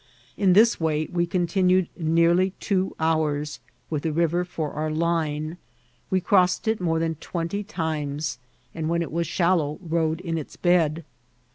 In this way we continued nearly two hours, with the river for our line. We crossed it more than twenty times, and when it was shallow rode in its bed.